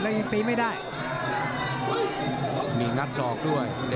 มีพิเศษที่มากด้วย